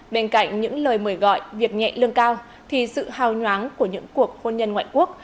bên cạnh những lời mời gọi việc nhẹ lương cao thì sự hào nhoáng của những cuộc hôn nhân ngoại quốc